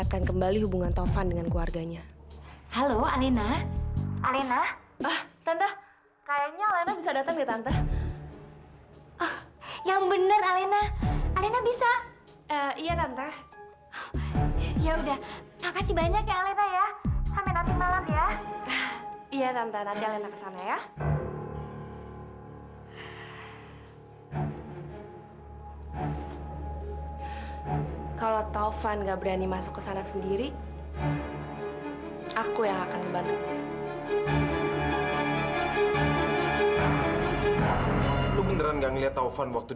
sampai jumpa di video selanjutnya